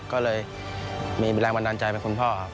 ก็เลยมีแรงบันดาลใจไปคุณพ่อครับ